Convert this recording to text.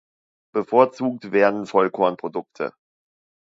Bevorzugt werden Vollkornprodukte.